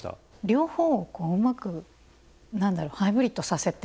両方をうまく何だろうハイブリッドさせて。